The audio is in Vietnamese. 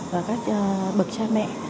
và các bậc cha mẹ